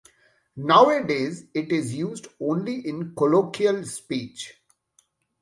Nowadays, it is used only in colloquial speech.